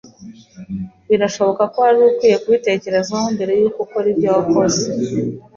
Birashoboka ko wari ukwiye kubitekerezaho mbere yuko ukora ibyo wakoze.